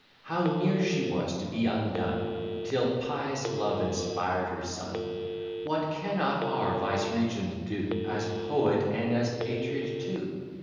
How near was she to be undone, Till pious love inspired her son! What cannot our vicegerent do, As poet and as patriot too?